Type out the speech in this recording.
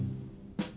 dia udah berangkat